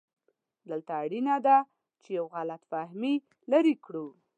دلته اړینه ده چې یو غلط فهمي لرې کړو.